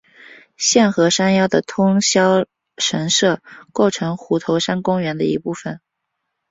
现和山腰的通霄神社构成虎头山公园一部分。